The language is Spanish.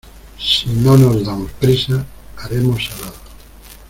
Si no nos damos prisa, haremos salado.